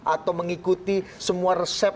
atau mengikuti semua resep